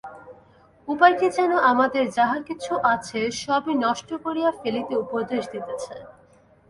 উপায়টি যেন আমাদের যাহা কিছু আছে, সবই নষ্ট করিয়া ফেলিতে উপদেশ দিতেছে।